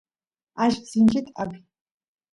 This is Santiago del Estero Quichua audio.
alli sinchit apiy